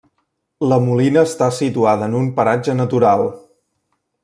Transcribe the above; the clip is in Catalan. La Molina està situada en un paratge natural.